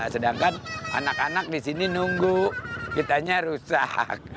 sedangkan anak anak di sini nunggu kitanya rusak